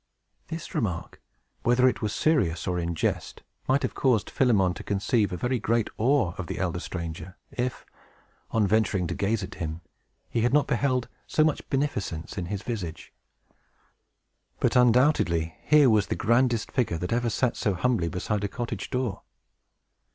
This remark, whether it were serious or in jest, might have caused Philemon to conceive a very great awe of the elder stranger, if, on venturing to gaze at him, he had not beheld so much beneficence in his visage. But, undoubtedly, here was the grandest figure that ever sat so humbly beside a cottage door.